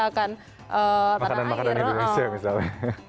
makan makanan makanan indonesia misalnya